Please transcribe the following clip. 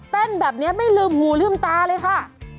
เต้นแบบนี้ไม่ลืมหูลืมตาเลยค่ะ